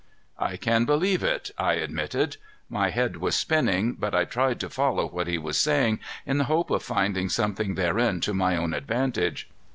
"I can believe it," I admitted. My head was spinning, but I tried to follow what he was saying in the hope of finding something therein to my own advantage.